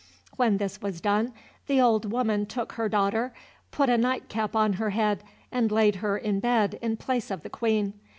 When this was done the old woman took her daughter, put a nightcap on her head, and laid her in bed in place of the Queen.